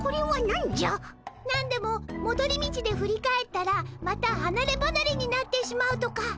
なんでももどり道で振り返ったらまたはなればなれになってしまうとか。